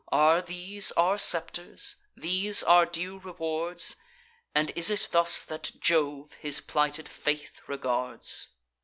Are these our scepters? these our due rewards? And is it thus that Jove his plighted faith regards?"